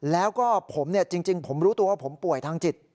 แล้วก็ผมจริงผมรู้ตัวว่าผมป่วยทางจิต